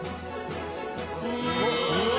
うわ！